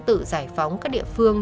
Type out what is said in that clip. tự giải phóng các địa phương